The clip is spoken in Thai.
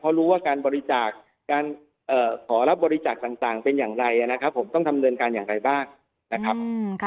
เพราะรู้ว่าการบริจาคการขอรับบริจาคต่างเป็นอย่างไรนะครับผมต้องทำเนินการอย่างไรบ้างนะครับ